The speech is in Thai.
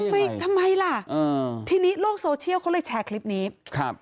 ทำไมทำไมล่ะอ่าทีนี้โลกโซเชียลเขาเลยแชร์คลิปนี้ครับ